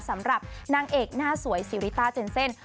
สำหรับนางเอกหน้าสวยซีริต้าเจนเซ่น